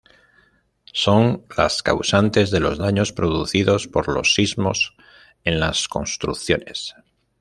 Son las causantes de los daños producidos por los sismos en las construcciones.